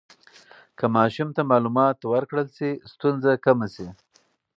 که ماشوم ته معلومات ورکړل شي، ستونزه کمه شي.